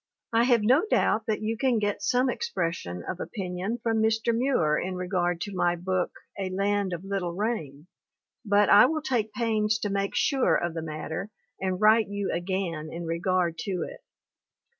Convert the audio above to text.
I have no doubt that you can get some expression of opinion from Mr. Muir in regard to my book "A Land of Little Rain", but I will take pains to make sure of the matter and write you again in regard to it.